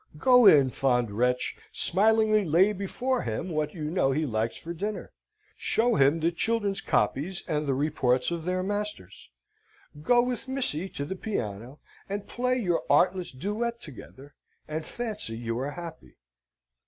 Go in, fond wretch! Smilingly lay before him what you know he likes for dinner. Show him the children's copies and the reports of their masters. Go with Missy to the piano, and play your artless duet together; and fancy you are happy!